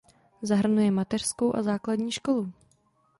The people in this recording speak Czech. Zahrnuje mateřskou a základní školu.